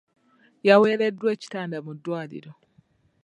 Yaweereddwa ekitanda mu ddwaliro.